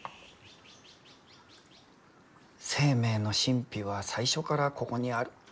生命の神秘は最初からここにある。